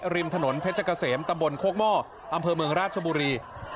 ริมถนนเพชรเกษมตำบลโคกหม้ออำเภอเมืองราชบุรี